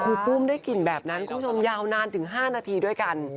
ปุ้มได้กลิ่นแบบนั้นคุณผู้ชมยาวนานถึง๕นาทีด้วยกัน